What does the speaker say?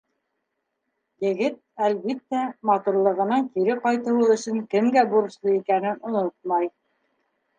Егет, әлбиттә, матурлығының кире ҡайтыуы өсөн кемгә бурыслы икәнен онотмай.